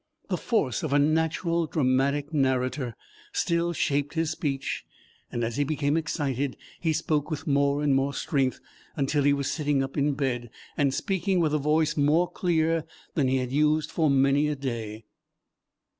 The force of a natural dramatic narrator still shaped his speech, and as he became excited, he spoke with more and more strength, until he was sitting up in bed, and speaking with a voice more clear than he had used for many a day.